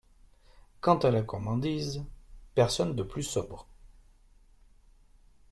Quant à la gourmandise, personne de plus sobre.